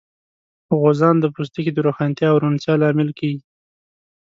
غوزان د پوستکي د روښانتیا او روڼتیا لامل کېږي.